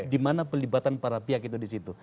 dimana pelibatan para pihak itu disitu